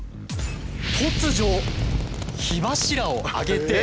突如火柱を上げて。